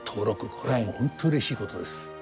これは本当うれしいことです。